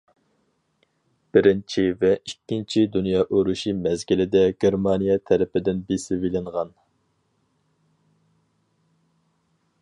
بىرىنچى ۋە ئىككىنچى دۇنيا ئۇرۇشى مەزگىلىدە گېرمانىيە تەرىپىدىن بېسىۋېلىنغان.